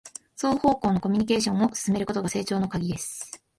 双方向のコミュニケーションを進めることが成長のカギです